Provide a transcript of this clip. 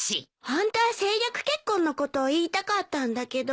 ホントは政略結婚のことを言いたかったんだけど。